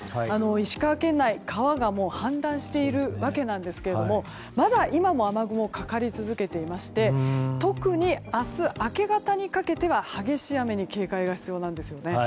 石川県内川が氾濫しているわけですがまだ今も雨雲、かかり続けていまして特に明日、明け方にかけては激しい雨に警戒が必要なんですよね。